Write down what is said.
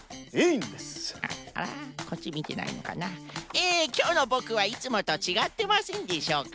えきょうのボクはいつもとちがってませんでしょうか？